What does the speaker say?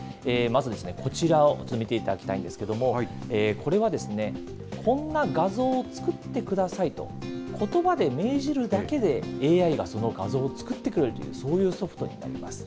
まずですね、こちらを見ていただきたいんですけれども、これは、こんな画像を作ってくださいとことばで命じるだけで、ＡＩがその画像を作ってくれるという、そういうソフトになります。